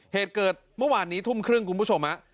เหตุเกิดเมื่อวานนี้ทุ่มครึ่งคุณผู้ชมฮะ